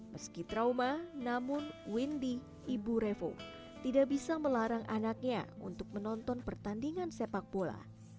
meski trauma namun windy ibu revo tidak bisa melarang anaknya untuk menonton pertandingan sepak bola